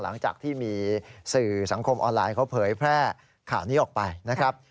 หลังจากที่มีสื่อสังคมออนไลน์เขาเผยแพร่ข่าวนี้ออกไปนะครับ